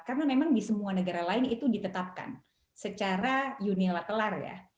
karena memang di semua negara lain itu ditetapkan secara unilakelar ya